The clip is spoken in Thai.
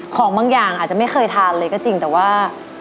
ของบางอย่างอาจจะไม่เคยทานเลยก็จริงแต่ว่า